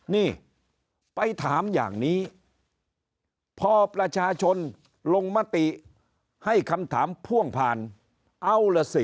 นี่ไปถามอย่างนี้พอประชาชนลงมติให้คำถามพ่วงผ่านเอาล่ะสิ